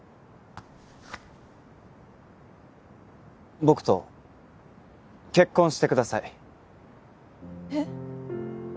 僕と結婚してくださいえっ？